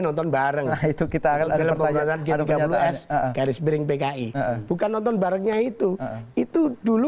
nonton bareng itu kita akan ada bagaimana garis bering pki bukan nonton barengnya itu itu dulu